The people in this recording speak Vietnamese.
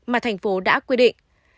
mà thành phố đã quyết định